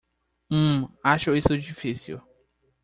Hum, acho isso difícil.